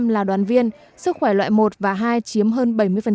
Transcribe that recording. một trăm linh là đoàn viên sức khỏe loại một và hai chiếm hơn bảy mươi